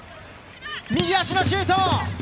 右足のシュート！